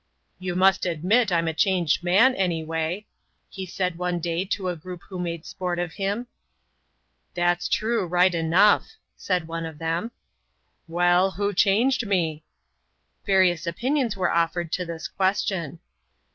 "You must admit I'm a changed man, anyway," he said one day to a group who made sport of him. "That's true, right enough," said one of them. "Well, who changed me?" Various opinions were offered to this question.